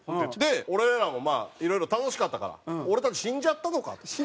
俺らもまあいろいろ楽しかったから「俺たち死んじゃったのか」と。